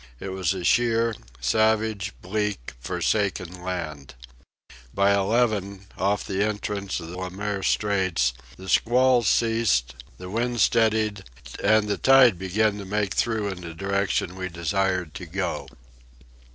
It was a sheer, savage, bleak, forsaken land. By eleven, off the entrance of Le Maire Straits, the squalls ceased, the wind steadied, and the tide began to make through in the direction we desired to go.